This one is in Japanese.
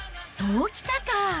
そうきたか！